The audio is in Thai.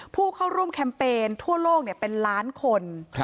ผู้เข้าร่วมแคมเปญทั่วโลกเป็นล้านคน